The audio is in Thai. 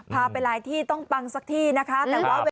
พาไปหลายที่ต้องปังสักที่นะคะ